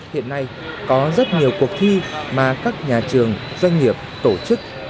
hiện nay có rất nhiều cuộc thi mà các nhà trường doanh nghiệp tổ chức